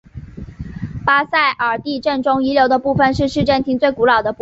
巴塞尔地震中遗留的部分是市政厅最古老的部分。